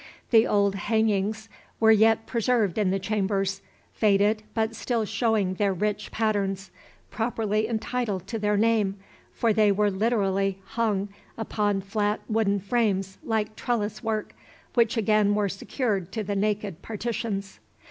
The old "hangings" were yet preserved in the chambers, faded, but still showing their rich patterns, properly entitled to their name, for they were literally hung upon flat wooden frames like trellis work, which again were secured to the naked partitions.